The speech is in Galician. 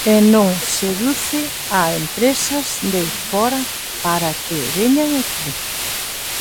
E non seduce a empresas de fóra para que veñan aquí.